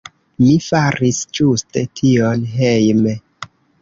Mi faris ĝuste tion hejme.